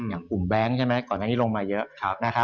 อย่างกลุ่มแบงค์ใช่ไหมก่อนหน้านี้ลงมาเยอะ